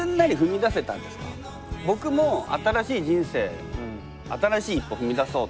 僕も新しい人生新しい一歩踏み出そう。